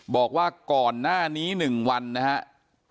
บอกว่าก่อนหน้านี้๑วันนะครับ